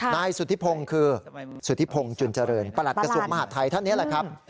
นายสุธิพงศ์คือสุธิพงศ์จุนเจริญประหลัดกระทรวงมหาดไทยท่านนี้แหละครับ